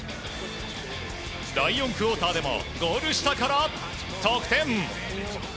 第４クオーターでもゴール下から得点。